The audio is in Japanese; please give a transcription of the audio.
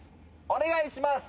お願いします。